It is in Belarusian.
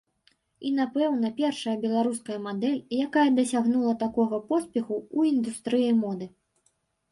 І, напэўна, першая беларуская мадэль, якая дасягнула такога поспеху ў індустрыі моды.